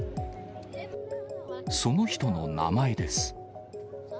その人の名前です。